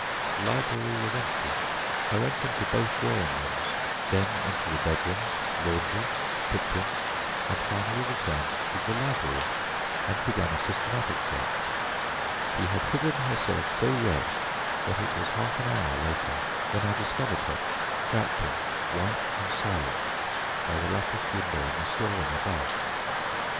The library was empty. I went into both drawing rooms, then into the bedrooms, laundry, kitchen, and finally returned to the library and began a systematic search. She had hidden herself so well that it was half an hour later when I discovered her crouching white and silent by the latticed window in the store room above.